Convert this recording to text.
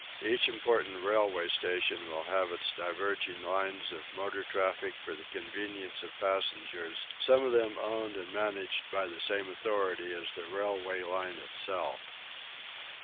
Each important railway station will have its diverging lines of motor traffic for the convenience of passengers, some of them owned and managed by the same authority as the railway line itself.